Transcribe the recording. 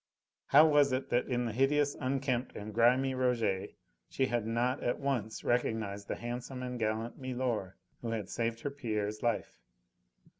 How was it that in the hideous, unkempt and grimy Rouget she had not at once recognised the handsome and gallant milor who had saved her Pierre's life?